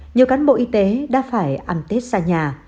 nhiều cán bộ y tế đã phải ăn tết xa nhà